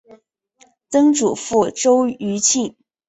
曾祖父周余庆。